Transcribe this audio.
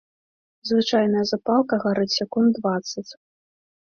Звычайная запалка гарыць секунд дваццаць.